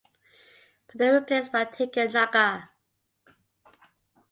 But they replaced by Tiga Naga.